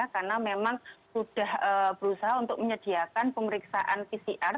karena memang sudah berusaha untuk menyediakan pemeriksaan pcr